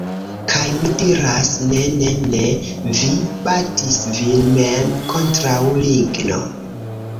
Kaj mi diras: "Ne ne ne! Vi batis vin mem! Kontraŭ ligno."